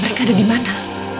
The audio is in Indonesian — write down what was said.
mereka ada di mana